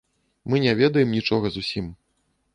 Мы не ведаем нічога зусім.